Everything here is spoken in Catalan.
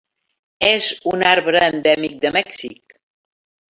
És un arbre endèmic de Mèxic.